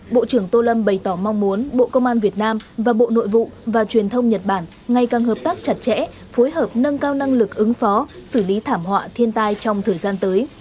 bộ trưởng tô lâm bày tỏ mong muốn bộ công an việt nam và bộ nội vụ và truyền thông nhật bản ngày càng hợp tác chặt chẽ phối hợp nâng cao năng lực ứng phó xử lý thảm họa thiên tai trong thời gian tới